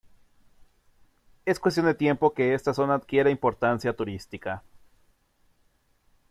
Es cuestión de tiempo que esta zona adquiera importancia turística.